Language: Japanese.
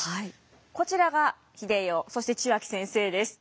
こちらが英世そして血脇先生です。